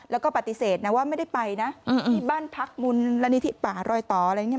แล้วก็ปฏิเสธนะว่าไม่ได้ไปนะที่บ้านพักมูลนิธิป่ารอยต่ออะไรอย่างนี้